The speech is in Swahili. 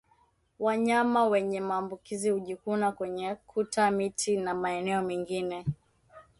Wanyama wenye maambukizi hujikuna kwenye kuta miti na maeneo mengine